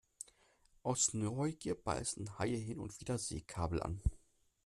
Aus Neugier beißen Haie hin und wieder Seekabel an.